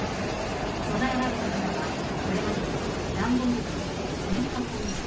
供えられた花は、これまでに段ボール箱１０００箱以上。